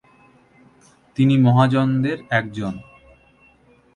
তিনি মহানদের একজন।